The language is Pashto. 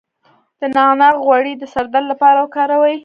د نعناع غوړي د سر درد لپاره وکاروئ